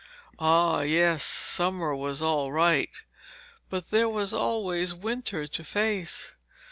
Oh, yes, summer was all right, but there was always winter to face.